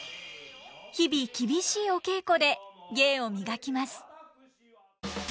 日々厳しいお稽古で芸を磨きます。